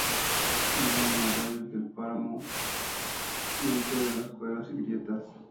Vive en arroyos del páramo, dentro de cuevas y grietas.